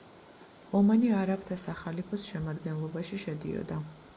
ომანი არაბთა სახალიფოს შემადგენლობაში შედიოდა.